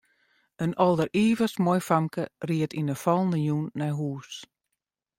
In alderivichst moai famke ried yn 'e fallende jûn nei hûs.